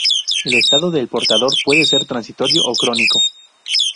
El estado de portador puede ser transitorio o crónico.